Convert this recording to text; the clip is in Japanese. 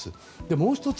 もう１つ